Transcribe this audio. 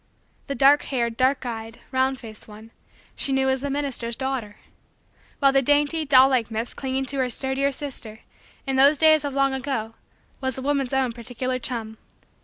The dark haired, dark eyed, round faced one, she knew as the minister's daughter. While the dainty, doll like, miss clinging to her sturdier sister, in those days of long ago, was the woman's own particular chum.